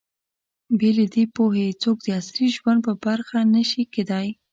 بې له دې پوهې، څوک د عصري ژوند برخه نه شي کېدای.